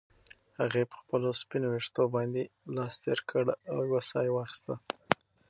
هغې په خپلو سپینو ویښتو باندې لاس تېر کړ او یوه ساه یې واخیسته.